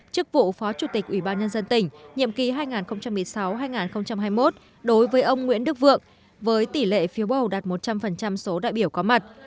chức vụ phó chủ tịch ubnd tỉnh nhiệm kỳ hai nghìn một mươi sáu hai nghìn hai mươi một đối với ông nguyễn đức vượng với tỷ lệ phiếu bầu đạt một trăm linh số đại biểu có mặt